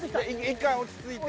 １回落ち着いて。